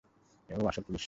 ও আসল পুলিশ না।